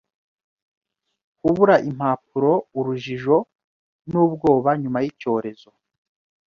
kubura impapuro Urujijo nubwoba nyuma yicyorezo